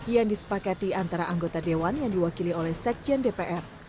yang disepakati antara anggota dewan yang diwakili oleh sekjen dpr